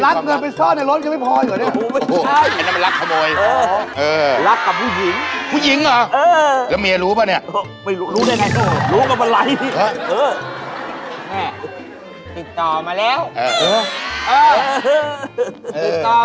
เขาคุยแบบนี้ตอนที่คุยกับเขาทีหน้าจักเขานี่หวังเลยครับเขาเอาไปถูบ้างเลยกับ